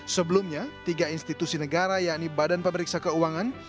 sebelumnya tiga institusi negara yakni badan pemeriksa keuangan